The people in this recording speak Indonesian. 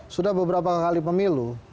sudah beberapa kali memilu